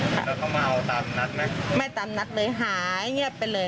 แล้วเขามาเอาตามนัดไหมไม่ตามนัดเลยหายเงียบไปเลย